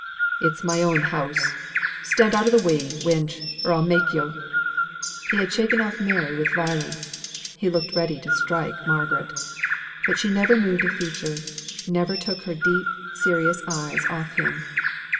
"It's my own house. Stand out o' the way, wench, or I'll make yo'!" He had shaken off Mary with violence; he looked ready to strike Margaret. But she never moved a feature never took her deep, serious eyes off him.